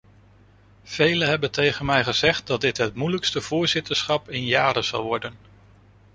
Velen hebben tegen mij gezegd dat dit het moeilijkste voorzitterschap in jaren zal worden.